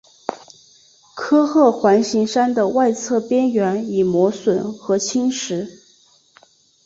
科赫环形山的外侧边缘已磨损和侵蚀。